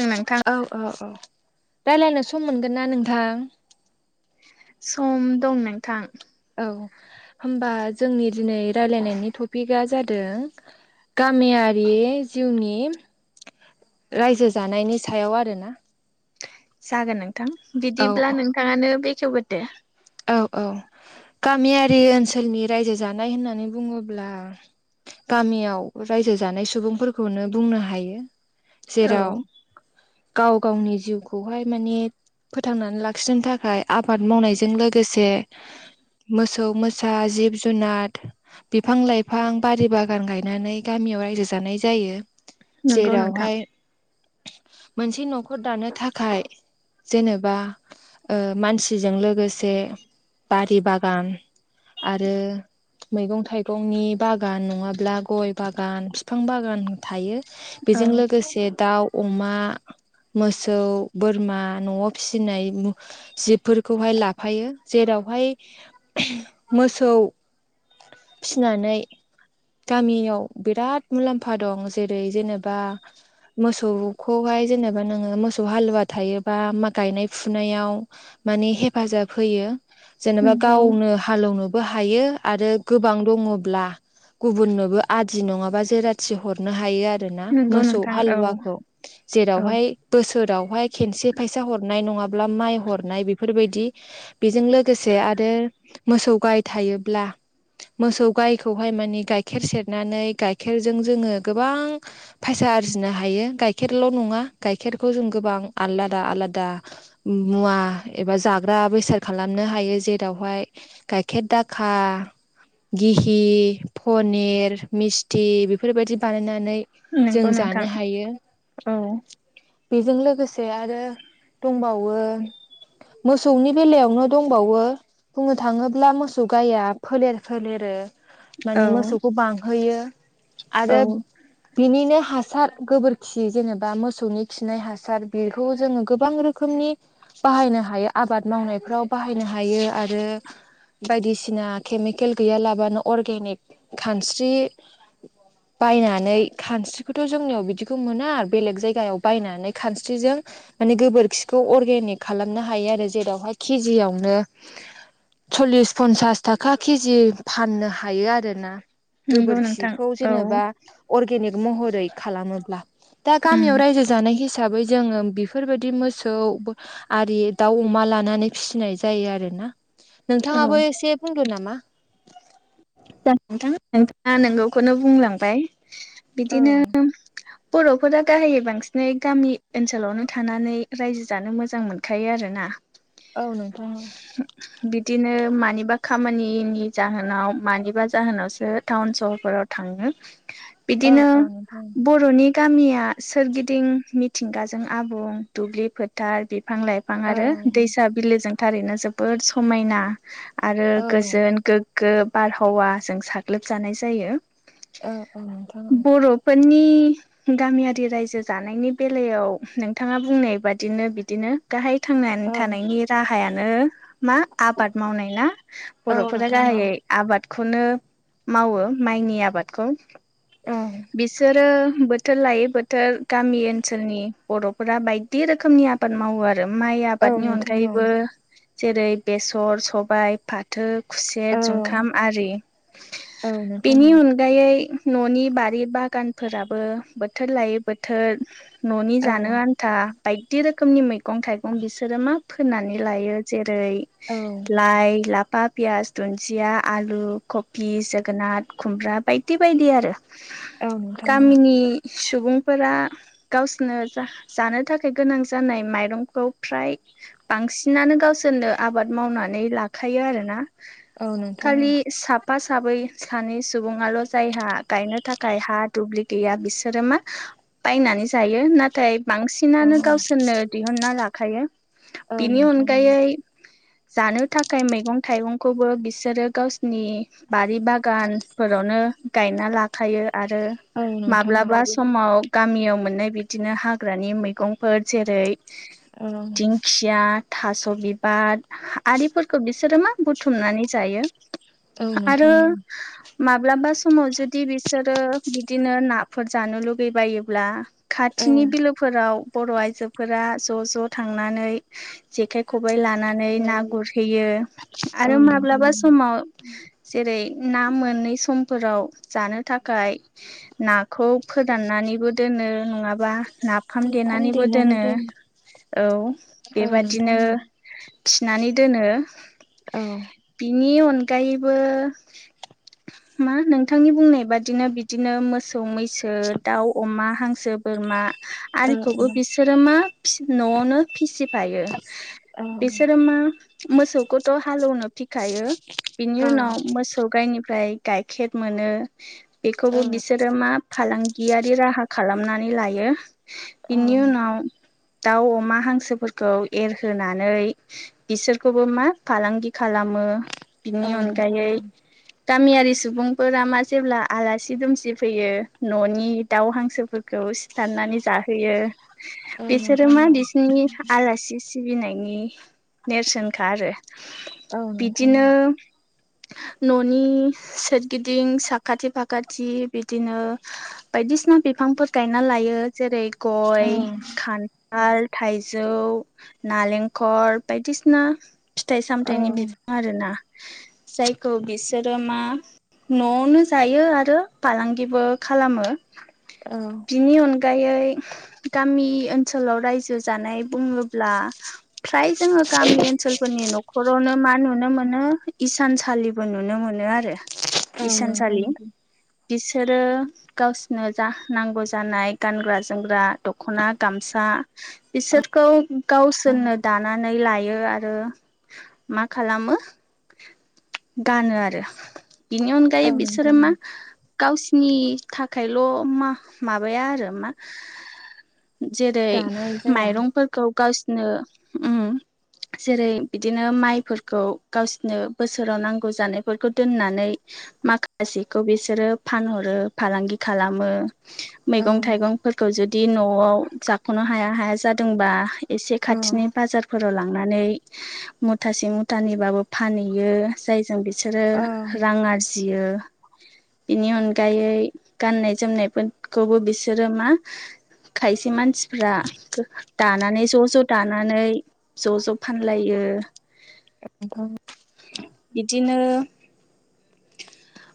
नोंथां औ - औ ' औ रायलायनो सम मोनगोन ना नोंथां। सम दं नोंथां। औ होमबा जोंनि दिनै रायलायनायनि टपिकआ जादों गामियारि जिउनि रायजो जानायनि सायाव आरोना। जागोन नोंथां औ बिदिब्ला नोंथाङानो बेखेवगोरदो औ औ गामियारि ओनसोलनि रायजो जानाय होननानै बुङोब्ला गामियाव रायजो जानाय सुबुंफोरखौनो बुंनो हायो औ जेराव गाव गावनि जिउ खौहाय माने फोथांनानै लाखिनो थाखाय आबाद मावनायजों लोगोसे मोसौ मोसा जिब जुनार बिफां लाइफां बारि बागान गायनानै गामियाव रायजो जानाय जायो नंगौ नोंथां जेरावहाय मोनसे न'खर दानो थाखाय जेनेबा ओ मानसिजों लोगोसे बारि बागान आरो मैगं थाइगंनि बागान नङाब्ला गय बागान बिफां बागान थायो। औ बेजों लोगोसे दाउ अमा मोसौ बोरमा न'आव फिसिनाय जिबफोरखौहाय ला फायो जेरावहाय मोसौ फिनानै गामियाव बिराद मुलाम्फा दं जेरै जेनेबा मोसौखौहाय जेनेबा नोङो मोसौ हालुवा थायोबा गायनाय फुनायाव मानिे हेफाजाब होयो जेनेबा नंगौ गावनो हालेवनो हायो आरो गोबां दङब्ला गुबुननोबो आ दि नङाबा जेराथि हरनो हायो आरो आरोना नंगौ मोसौ नोंथां औ हालुवाखौ औ जेरावहाय बोसोरावहाय खेनसे फैसा हरनाय नङा। माब्ला माइ हरनाय बेफोरबायदि बेजों लोगोसे आरो मोसौ गाय थायोब्ला मोसौ गायखौहाय माने गाइखेर सेरनानै गाइखेरजों जोङो गोबां फायसा आरजिनो हायो गाइखेरल' नङा गाइखेरखौ जों गोबां आलादा आलादा मुवा एबा जाग्रा बेसाद खालामनो हायो जेरावहाय गाइखेर दाखा घिहि पनिर मिस्थि बेफोरबायदि बानायनानै जों नंगौ नोंथां जानो हायो। औ बेजों लोगोसे आरो दंबावो मोसौनि बेलायावनो दंबावो बुंनो थाङोब्ला मोसौ गाइया फोलेर फोलेरो औ माने मोसौखौ बांहोयो औ आरो बिनिनो हासार गोबोरखि जेनेबा मोसौनि खिनाय हासार बिर खौ जोङो गोबां रोखोमनि बाहायनो हाया आबाद मावनायफ्राव बाहायनो हायो आरो। बायदिसिना केमिकेल गैयालाबानो अरगेनिक खानस्रि बायनानै खानस्रिखौथ' जोंनियाव बिदिखौ मोना बेलेग जायगायाव बायनानै खानस्रिजों मानि गोबोरखिखौ अर्गेनिक खालामनो हायो आरो जेरावहाय केजियावनो सलिस पनसास थाखा केजि फाननो हायो आरोना। नंगौ नोंथां गोबोरखिखौ औ जेनेबा अर्गेनिक महरै खालामोब्ला दा उम गामियाव रायजो जानाय हिसाबै जोङो बेफोरबायदि मोसौ आरि दाउ अमा लानानै फिसिनाय जायो आरोना औ नोंथाङाबो एसे बुंदो नामा। [unintelligible] नोंथाङा नोंगौखौनो बुंलांबाय औ बिदिनो बर'फोरा गाहायै बांसिनै गामि ओनसोलावनो थानानै रायजो जानो मोजां मोनखायो आरो ना। औ नोंथां। बिदिनो मानिबा खामानि नि जाहोनाव मानिबा जाहोनावसो टाउन सहरफोराव थाङो। औ बिदिनो औ नोंथां बर'नि गामिया सोरगिदिं मिथिंगाजों आबुं दुब्लि फोथार बिफां लाइफां औ आरो दैसा बिलोजों थारैनो जोबोद समायना। आरो औ गोजोन गोग्गो बारहावाजों साग्लोबजानाय जायो। औ-औ नोंथां। नि गामियारि रायजो जानायनि बेलायाव नोंथाङा बुंनाय बादिनो बिदिनो गाहाय थांनानै औ औ थानायनि राहायानो मा आबाद मावनाय ना औ बर'फोरा नोंथां औ गाहायै आबादखौनो मावो माइनि आबादखौ बिसोरो बोथोर लायै बोथोर गामि ओनसोलनि बर'फोरा बायदि रोखोमनि आबाद मावो आरो [unintelligible] माइ औ आबादनि नोंथां अनगायैबो जेरै बेसर सबाय फाथो खुसेर औ जुंखाम आरि । औ नोंथां बेनि औ अनगायै न'नि बारि बागानफोराबो बोथोर लायै बोथोर न'नि औ जानो आन्था बायदि रोखोमनि मैगं थाइगं बिसोरो मा फोननानै लायो जे दै औ लाइ लाफा पियास दुन्दि सिया आलु कफि जोगोनार खुमब्रा बायदि-बायदि आरो औ नोंथां [unintelligible] गामिनि सुबुंफोरा गावसोरनो जा जानो थाखाय गोनां जानाय माइरंखौ फ्राय बांसिनानो गावसोरनो आबाद मावनानै लाखायो आरोना। औ नोंथां ओं। मा साबै सानै सुबुङाल' जायहा गायनो थाखाय हा दुब्लि गैया बिसोरो मा बायनानै जायो। नाथाय औ बांसिनानो गावसोरनो दिहुनन्ना लाखायो बिनि नोंथां अनगायै जानो थाखाय मैगं थाइगंखौबो बिसोरो गावसिनि बारि बागानफोरावनो गायना लाखायो। आरो औ नोंथां औ माब्लाबा समाव गामियाव मोननाय बिदिनो हाग्रानि मैगंफोर जेरै औ दिंखिया थास' बिबार आरिफोरखौ बिसोरो मा बुथुमनानै जायो। औ आरो नोंथां माब्लाबा समाव जुदि बिसोरो बिदिनो नाफोर जानो लुगैबायोब्ला औ खाथिनि बिलोफोराव बर' आइजोफोरा ज'-ज' थांनानै जेखाइ खब बाय लानानै ना गुरहैयो औ आरो मा नोंथां ब्लाबा समाव जेरै ना मोनै समफोराव जानो थाखाय नाखौ फोराननानैबो दोनो नङाबा नाफाम ओंखाम देनानैबो देनानै दोनो। दोन औ औ नोंथां बेबादिनो औ थिनानै दोनो। औ बिनि अनगायैबो मा नोंथांनि बुंनाय बादिनो बिदिनो मोसौ मैसो दाउ अमा हां सो बोरमा औ आरिखौबो बिसोर मा फिस न'आवनो फिस औ फिसिफायो । बिनि उनाव मोसौ गायनिफ्राय गाइखेर मोनो। बेखौबो औ बिसोरो मा फालांग गियारि राहा खालामनानै लायो । औ बिनि उनाव दाउ अमा हांसोफोरखौ एरहोनानै बिसोरखौबो मा फालांगि खालामो बिनि औ नोंथां अनगायै औ गामियारि सुबुंफोरा मा जेब्ला आलासि दुमसि फैयो न'नि दाउ हांसोफोरखौ सिथारनानै जाहोयो औ बिसोरो नोंथां मा औ बिसिनि आलासि सिबिनायनि नेरसोनखा आरो औ नोंथां बिदिनो न' नि सोरगिदिं साखाथि फाखाथि बिदिनो बायदिसिना बिफांफोर गायना ला यो जेरै गय औ खान थाल थाइजौ नालेंखर बायदिसिना। फिथाइ औ सामथाइनि बिफां आरोना जायखौ बिसोरो मा? न'आवनो जायो आरो फालांगिबो खालामो। औ बिनि अन अनगायै गामि ओनसोलाव रायजो जानाय बुङोब्ला। फ्राय जोङो गामि ओनसोलफोरनि न'खरावनो मा नुनो नुनो मोनो इसानसालिबो नुनो मोनो आरो औ नंगौ नोंथां इसानसालि। बिसोरो गावसनो जा नांगौ जानाय गानग्रा जोमग्रा दख'ना गामसा आ बिसोरखौ गावसोरनो दानानै लायो आरो मा खालामो गानो आरो बिनि अनगायै औ बिसोरो नोंथां मा गावसिनि थाखायल' मा-माबाया आरो मा जेरै दानाय जाया माइरंफोरखौ गावसनो उम। जेरै बिदिनो माइफोरखौ गावसनो बोसोराव नांगौ जानायफोरखौ दोननानै माखासेखौ बिसोरो फानहरो फालांगि खालामो। औ मैगं थाइगंफोरखौ जुदि न'आव जाख'नो हाया हाया जादोंबा। एसे औ खाथिनि बाजार फोराव लांनानै मुथासे मुथानैबाबो फानहैयो जाय जों बिसोरो औ रां आरजियो। बिनि अनगायै गाननाय जोमनायफोरखौबो बिसोरो मा? खायसे मानसिफ्रा दानानै ज'-ज' दानानै ज'-ज' फानलायो। नोंथां बिदिनो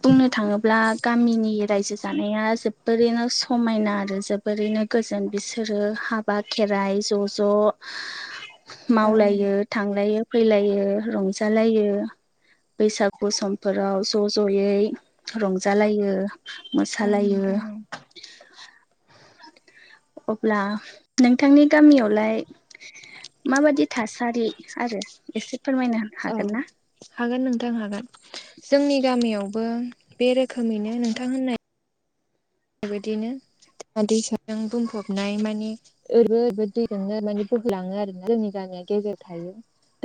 बुंनो थाङोब्ला गामिनि रायजो जानाया जोबोरैनो समायना आरो जोबोरैनो गोजोन बिसोरो हाबा खेराइ ज'-ज' औ मावलायो औ थांलायो फैलायो रंजालायो बैसागु सम फोराव ज' ज'यै रंजालायो। मोसालायो। नोंथां अब्ला नोंथांनि गामियावलाय माबादि थासारि आरो एसे फोरमायनो औ हागोन ना हागोन नोंथां हागोन जोंनि गामियावबो बे रोखोमैनो नोंथां होननाय बेबायदियैनो। दैमा दैसाजों बुंफबनाय माने ओरैबो दैजोंनो माने बोहैलाङो आरोना जोंनि गामियाव। गेजेर थायो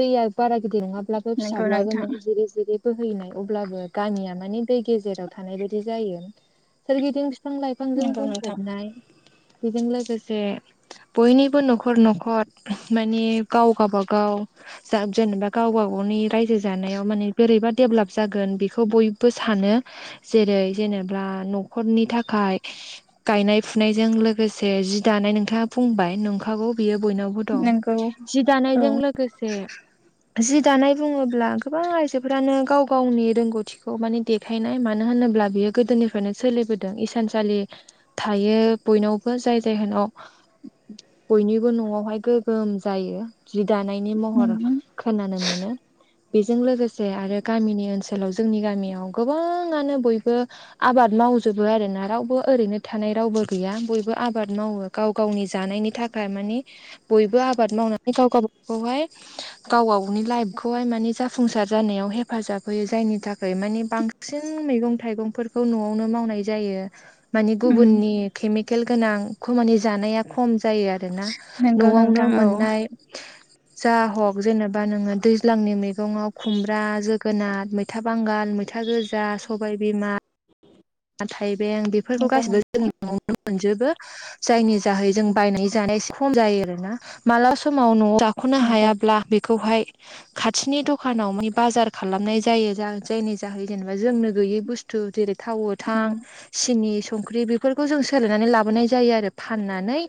दैया बारा गदिर नङाब्लाबो नोंगौ फिसाब्लाबो नोंथां माने जिर जिरि बोहैनाय अब्लाबो गामिया माने दै गेजेराव थानाय बायदि जायो सोरगिदिं बिफां लाइफांजों नंगौ नोंथां बुंफबनाय बेजों लोगोसे बयनिबो न'खर-न'खर माने गाव गावबागाव जाब जेनेबा गावबा नि रायजो जानायाव माने बोरैबा डेभेलप जागोन बेखौ बयबो सानो जेरै जेने ब्लाड न'खरनि थाख खाय गायनाय फुनायजों लोगोसे जि दानाय नोंथाङा बुंबाय नंखागौ बियो बयनावबो दं नोंगौ जि औ दानायजों लोगोसे जि दानाय बुङोब्ला गोबां आइजोफ्रानो गाव गावनि रोंगौथिखौ माने देखायनाय मानो होनो ब्ला बेयो गोदोनिफ्रायनो सोलिबोदों थानसालि थायो बयनावबो जाय जाहोनाव बयनिबो न'आवहाय गोगोम जायो दानायनि महर खोनानो मोनो बेजों लोगोसे आरो गामिनि ओनसोलाव जोंनि गामियाव गोबाङानो बयबो आबाद माव मावजोबो आरो ना रावबो ओरैनो थानाय रावबो गैया बयबो आबाद मावो गाव गावनि जानायनि थाखाय माने बयबो आबाद मावनानै गाव गावबाखौहाय गाव गावनि लाइफखौहाय मानि जाफुंसार जानायाव हेफाजाब होयो जायनि थाखाय मानि बांसिन मैगं थाइगंफोरखौ न'आवनो मावनाय जायो। मानि गुबुननि नोंगौ केमिकेल गोनांखौ मानि जानाया खम जायो आरो ना न'आवनो नोंथां औ मोननाय। जा हग जेनेबा नोङो दैज्लांनि मैगङाव खुमब्रा जोगोनार मैथा बांगाल मैथा गोजा सबाय बिमा थाइबें बेफोरखौ नंगौ गासैबो नोंथां जोंनि न'आवनो मोनजोबो जायनि जाहै जों बायनानै जानाया एसे खम जायो आरोना मालाबा समाव न'आव जा- जाख'नो नंगौ हायाब्ला बेखौहाय [inaudible] [unintelligible] खाथिनि दखानाव मानि बाजार खालामनाय जायो जायनि जाहै जेनेबा जोंनो गैयै बुस्थु जेरै टाावन थां स्नि संख्रि बेफोरखौ जों सोलायनानै लाबोनाय जायो आरो फाननानै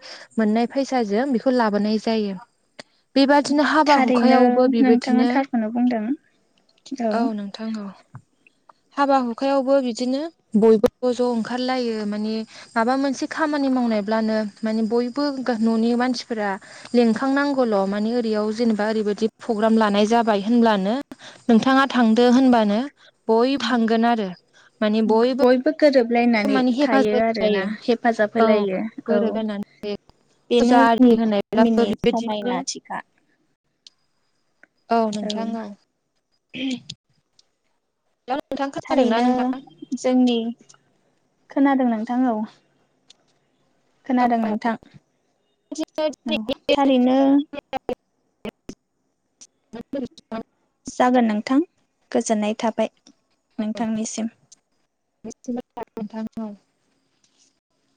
मोननाय फैसाजों बेखौ लाबोनाय जायो। जायो। [inaudible] [unintelligible] बेबादिनो हाबा थारैनो हुखायावबो नोंथाङा बेबायदिनो थारखौनो बुंदों औ नोंथां औ हाबा हुखायावबो बिदिनो बयबो ज' ज' ओंखारलायो मानि माबा मोनसे खामानि मावनायब्लानो माने बयबो न'नि मानसिफोरा लिंखांनांगौल' मानि ओरैयाव जेनेबा ओरैबायाददि प्रग्राम लानाय जाबाय होनब्लानो नोंथाङा थांदो होनबानो बय थांगोन आरो मानि बयबो गोरोबलायनानै माने हेफाजाब थायो जायो आरोना हेफाजाब औ होलायो औ गोरोबलायनानै बेनो फुजा जोंनि आरि होनायब्लाबो गामिनि बेबायदिनो समायनाथिखा औ नोंथां औ हेल' नोंथां खोनादोंना थारैनो नोंथां? जोंनि खोनादों नोंथां औ खोनादों नोंथां औ थारैनो [unintelligible] [inaudible] जागोन नोंथां गोजोननाय थाबाय नोंथांनिसिम। [unintelligible] [inaudible]